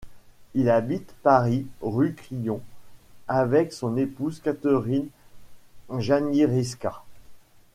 Il habite Paris, Rue Crillon avec son épouse Catherine Janiriska.